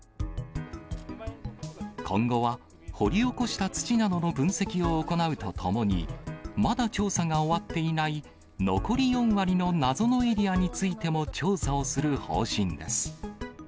今後は、掘り起こした土などの分析を行うとともに、まだ調査が終わっていない残り４割の謎のエリアについても調査をする方針です。